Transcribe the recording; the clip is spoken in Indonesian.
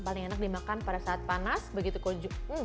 paling enak dimakan pada saat panas begitu koju